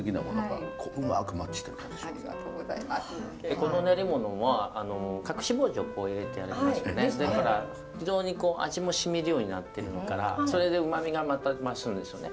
この練り物は隠し包丁入れてありましてだから非常に味もしみるようになってるからそれでうまみがまた増すんですよね。